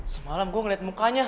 semalam gue ngeliat mukanya